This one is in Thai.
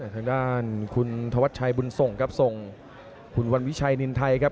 ทางด้านคุณธวัชชัยบุญส่งครับส่งคุณวันวิชัยนินไทยครับ